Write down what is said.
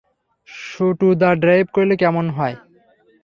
শুটুদা drive করলে কেমন হয়?